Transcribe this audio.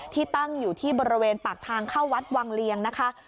ที่ตั้งอยู่ที่บริเวณปากทางเข้าวัดวังเลียงนะคะ